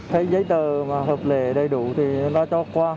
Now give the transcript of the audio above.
thấy giấy tờ mà hợp lệ đầy đủ thì nó chót quá